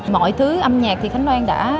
mọi thứ âm nhạc thì khánh loan đã